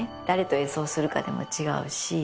誰と演奏するかでも違うし。